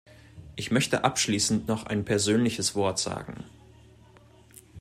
Ich möchte abschließend noch ein persönliches Wort sagen.